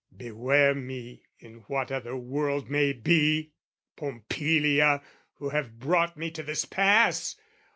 Beware me in what other world may be! Pompilia, who have brought me to this pass!